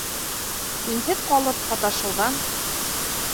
Һинһеҙ ҡалып һаташыуҙан...